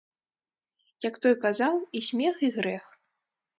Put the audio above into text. Як той казаў, і смех і грэх.